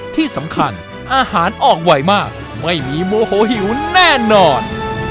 ที่สำคัญอาหารออกไวมากไม่มีโมโหหิวแน่นอน